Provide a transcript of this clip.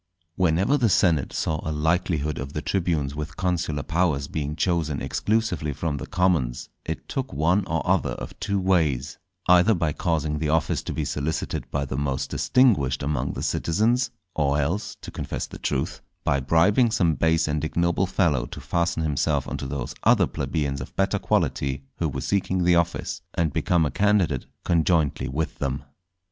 _ Whenever the senate saw a likelihood of the tribunes with consular powers being chosen exclusively from the commons, it took one or other of two ways,—either by causing the office to be solicited by the most distinguished among the citizens; or else, to confess the truth, by bribing some base and ignoble fellow to fasten himself on to those other plebeians of better quality who were seeking the office, and become a candidate conjointly with them.